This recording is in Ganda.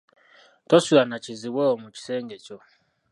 Tosula na kizibwe wo mu kisengekyo.